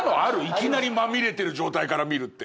いきなりまみれてる状態から見るって。